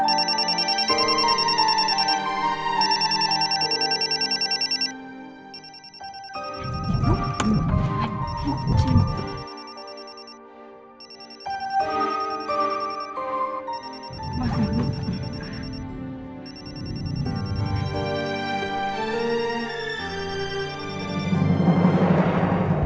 mbak aku nelfon mereka aja deh